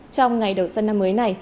trong ngày đầu xuân năm mới này